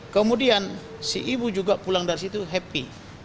kemudian si ibu juga pulang dari situ happy